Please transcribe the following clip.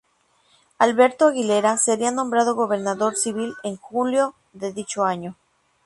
Alberto Aguilera sería nombrado gobernador civil en julio de dicho año.